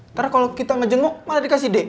ntar kalau kita ngejunggu mana dikasih d